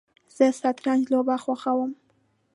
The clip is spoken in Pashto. زه شطرنج لوبه خوښوم